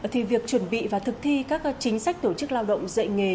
thì việc chuẩn bị và thực thi các chính sách tổ chức lao động dạy nghề